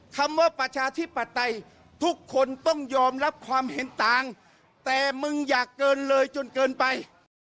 คำว่าประชาธิปไตยทุกคนต้องยอมรับความเห็นต่างแต่มึงอยากเกินเลยจนเกินไป